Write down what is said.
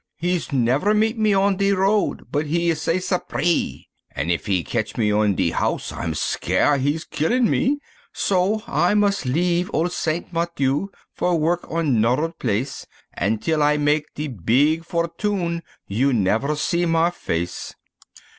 "He's never meet me on de road but he is say 'Sapré!' An' if he ketch me on de house I'm scare he's killin' me, So I mus' lef' ole St. Mathieu, for work on 'noder place, An' till I mak de beeg for tune, you never see ma face."